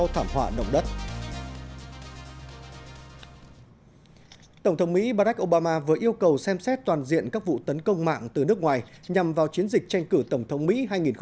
tổng thống mỹ barack obama vừa yêu cầu xem xét toàn diện các vụ tấn công mạng từ nước ngoài nhằm vào chiến dịch tranh cử tổng thống mỹ hai nghìn một mươi chín